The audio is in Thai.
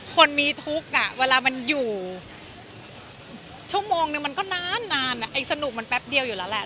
คนมีทุกข์เวลามันอยู่ชั่วโมงนึงมันก็นานไอ้สนุกมันแป๊บเดียวอยู่แล้วแหละ